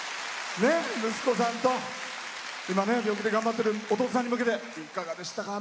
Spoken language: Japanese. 息子さんと今、病気で頑張ってる弟さんに向けていかがでしたか？